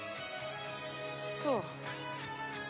そう。